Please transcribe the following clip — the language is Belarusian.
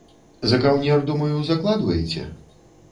За каўнер, думаю, закладваеце?